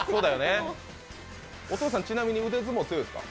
お父さん、ちなみに腕相撲、強いですか？